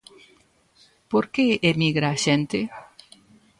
Por que emigra a xente?